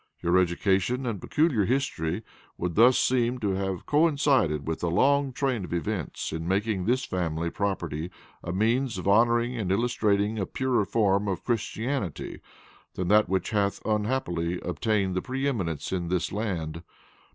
Your education and peculiar history would thus be seen to have coincided with a long train of events in making this family property a means of honoring and illustrating a purer form of Christianity than that which hath unhappily obtained the pre eminence in this land.